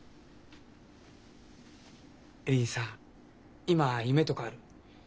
恵里さ今夢とかある？